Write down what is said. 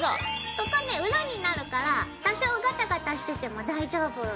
ここね裏になるから多少ガタガタしてても大丈夫。